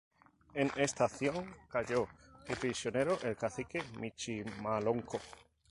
En esta acción calló prisionero el cacique Michimalonco.